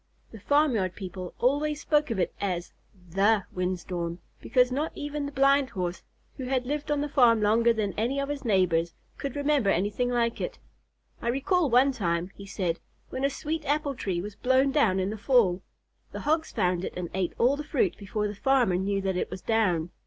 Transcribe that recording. The farmyard people always spoke of it as "the" wind storm, because not even the Blind Horse, who had lived on the farm longer than any of his neighbors, could remember anything like it. "I recall one time," he said, "when a sweet apple tree was blown down in the fall. The Hogs found it and ate all the fruit before the farmer knew that it was down.